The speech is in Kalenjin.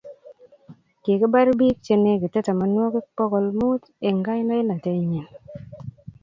kikibar biik che negitee tamanwokik bokol muut eng kandoishenyi